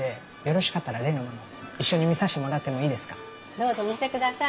よう見てください。